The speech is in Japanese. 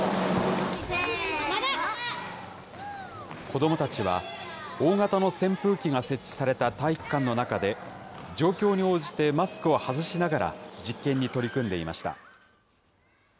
子どもたちは大型の扇風機が設置された体育館の中で、状況に応じてマスクを外しながら、実験に取り組んでいました。